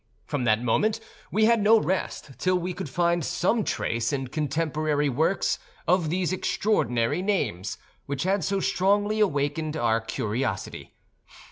From that moment we had no rest till we could find some trace in contemporary works of these extraordinary names which had so strongly awakened our curiosity.